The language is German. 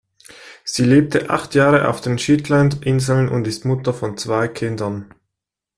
Sie lebte acht Jahre auf den Shetland-Inseln und ist Mutter von zwei Kindern.